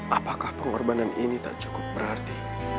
apakah pengorbanan ini tak cukup berarti